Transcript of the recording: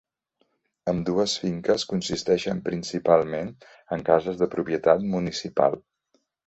Ambdues finques consisteixen principalment en cases de propietat municipal.